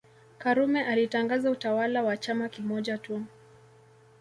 Karume alitangaza utawala wa chama kimoja tu